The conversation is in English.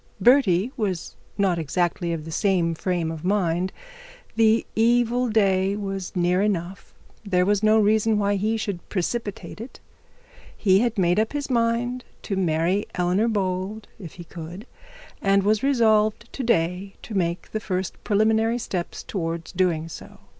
Bertie was not exactly in the same frame of mind; the evil of the day was near enough; there was no reason why he should precipitate it. He had made up his mind to marry Eleanor Bold if he could, and was resolved to day to take the first preliminary step towards doing so.